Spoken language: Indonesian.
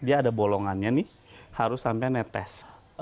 dia ada bolongannya nih harus sampai netes